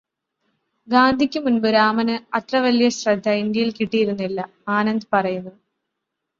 ഗാന്ധിക്ക് മുന്പ് രാമന് അത്ര വലിയ ശ്രദ്ധ ഇന്ത്യയില് കിട്ടിയിരുന്നില്ല," ആനന്ദ് പറയുന്നു.